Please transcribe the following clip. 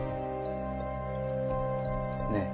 ねえ。